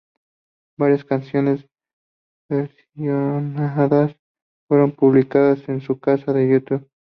Varias canciones versionadas fueron publicadas en su canal de YouTube.